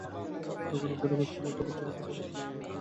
দোকানের বৈধ কাগজপত্র থাকার পরও তাঁরা পাঁচ লাখ টাকা চাঁদা দাবি করেন।